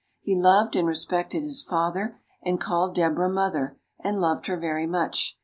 He loved and respected his father, and called Deborah mother, and loved her very much.